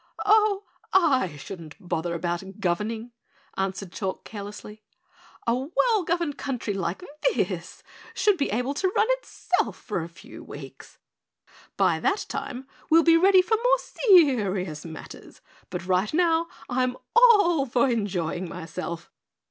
"Oh, I shouldn't bother about governing," answered Chalk carelessly. "A well governed country like this should be able to run itself for a few weeks. By that time we'll be ready for more serious matters, but right now I'm all for enjoying myself.